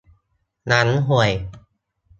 หนังห่วย